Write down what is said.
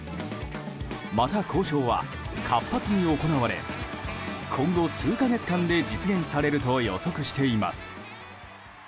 また交渉は活発に行われ今後数か月間で実現されると予測しています。